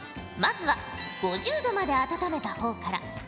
まずは５０℃まで温めた方から。